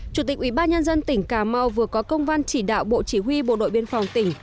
chủ tịch ủy ban nhân dân tỉnh cà mau vừa có công văn chỉ đạo bộ chỉ huy bộ đội biên phòng tỉnh